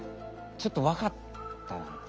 ちょっとわかったな。